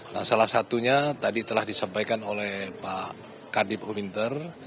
nah salah satunya tadi telah disampaikan oleh pak kadip uminter